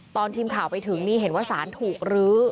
ตอนทีมข่าวไปถึงนี่เห็นว่าสารถูกลื้อ